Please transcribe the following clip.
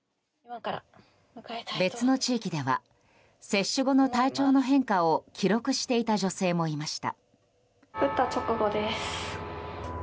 別の地域では接種後の体調の変化を記録していた女性もいました。